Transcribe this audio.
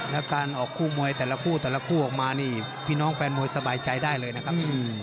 แล้วการออกคู่มวยแต่ละคู่แต่ละคู่ออกมานี่พี่น้องแฟนมวยสบายใจได้เลยนะครับ